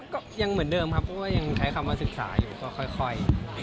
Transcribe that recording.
ก็ยังเหมือนเดิมครับเพราะว่ายังใช้คำว่าศึกษาอยู่ก็ค่อย